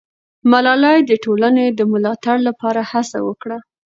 ملالۍ د ټولنې د ملاتړ لپاره هڅه وکړه.